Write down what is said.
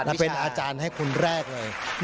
เป็นอาจารย์ให้คนแรกเลย